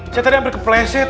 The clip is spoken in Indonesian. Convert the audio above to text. saya tadi hampir kepleset